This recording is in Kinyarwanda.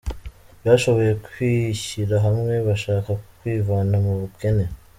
bashoboye kwishyira hamwe bashaka kwivana mu bukene.